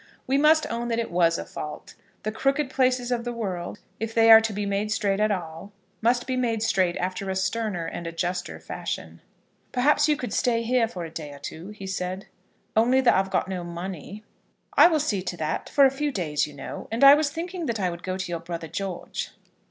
We must own that it was a fault. The crooked places of the world, if they are to be made straight at all, must be made straight after a sterner and a juster fashion. "Perhaps you could stay here for a day or two?" he said. "Only that I've got no money." "I will see to that, for a few days, you know. And I was thinking that I would go to your brother George."